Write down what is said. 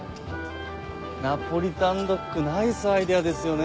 ナポリタンドッグナイスアイデアですよね。